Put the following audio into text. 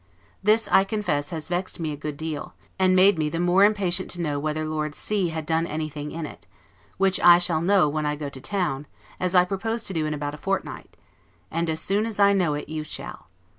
This, I confess, has vexed me a good deal; and made me the more impatient to know whether Lord C had done anything in it; which I shall know when I go to town, as I propose to do in about a fortnight; and as soon as I know it you shall.